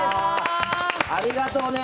ありがとうね。